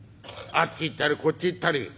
あっち行ったりこっち行ったり。